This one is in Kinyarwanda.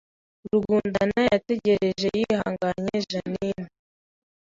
Rugundana yategereje yihanganye Jeaninne